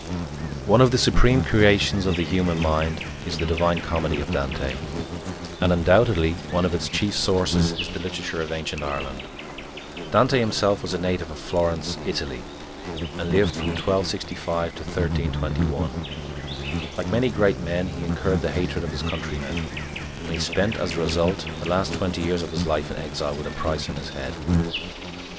One of the supreme creations of the human mind is the Divine Comedy of Dante, and undoubtedly one of its chief sources is the literature of ancient Ireland. Dante himself was a native of Florence, Italy, and lived from 1265 to 1321. Like many great men, he incurred the hatred of his countrymen, and he spent, as a result, the last twenty years of his life in exile with a price on his head.